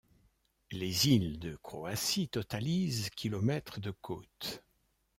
Les îles de Croatie totalisent km de côte.